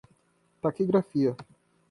taquigrafia